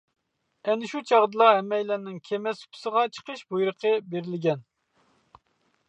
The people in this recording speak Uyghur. ئەنە شۇ چاغدىلا ھەممەيلەننىڭ كېمە سۇپىسىغا چىقىش بۇيرۇقى بېرىلگەن.